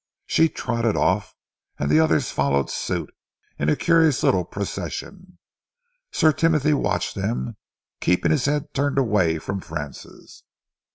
She trotted off, and the others followed suit in a curious little procession. Sir Timothy watched them, keeping his head turned away from Francis.